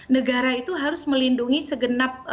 negara itu harus melindungi segenap